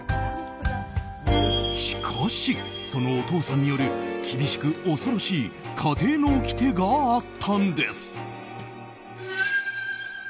しかし、そのお父さんによる厳しく恐ろしい家庭のおきてがあったんです。